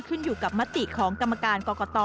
ขึ้นอยู่กับมติของกรรมการกรกต